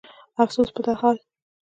افسوس په دا حال